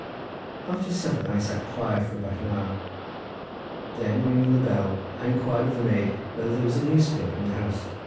After supper I sat quiet for about an hour. Then ringing the bell I inquired of the maid whether there was a newspaper in the house.